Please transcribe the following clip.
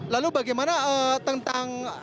lalu bagaimana tentang antusiasi